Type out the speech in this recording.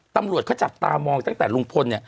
ตำรวจเขาจับตามองตั้งแต่ลุงพล